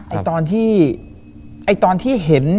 เออพี่ตอนที่เห็น